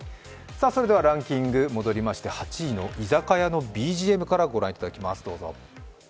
ランキング戻りまして８位の「居酒屋のＢＧＭ」からご覧いただきます。